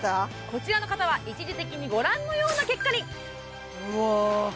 こちらの方は一時的にご覧のような結果にうわ